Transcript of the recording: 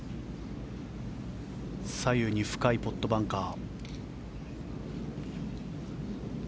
左右に深いポットバンカー。